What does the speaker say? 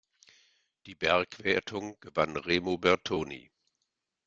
Die Bergwertung gewann Remo Bertoni.